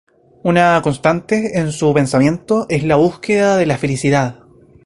Una constante en su pensamiento es la búsqueda de la felicidad.